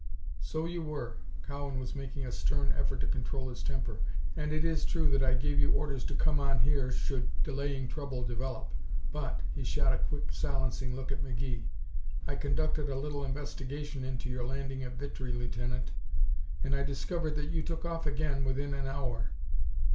"So you were." Cowan was making a stern effort to control his temper. "And it is true that I gave you orders to come on here should delaying trouble develop. But," he shot a quick, silencing look at McGee, "I conducted a little investigation into your landing at Vitry, Lieutenant, and I discovered that you took off again within an hour."